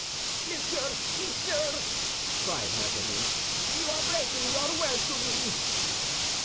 "Monsieur, monsieur," cried Mazarin, "you are breaking your word to me!"